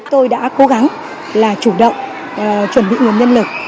tôi đã cố gắng là chủ động chuẩn bị nguồn nhân lực